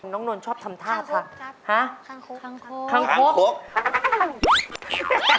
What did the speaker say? น้องโน้นชอบทำท่าค่ะฮะคังโค๊ก